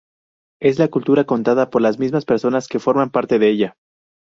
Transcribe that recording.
Es la cultura contada por las mismas personas que forman parte de ella.